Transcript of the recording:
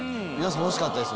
おいしかったです